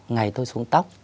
ngày tôi xuống tóc